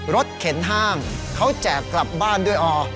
เข็นห้างเขาแจกกลับบ้านด้วยอ